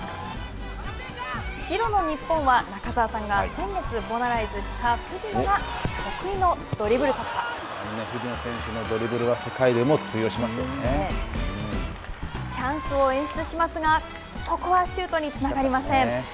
白の日本は中澤さんが先月ボナライズした藤野選手のドリブルはチャンスを演出しますがここはシュートにつながりません。